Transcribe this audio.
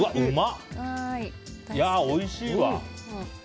いやあ、おいしいわ。